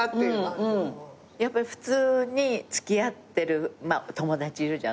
普通に付き合ってる友達いるじゃない？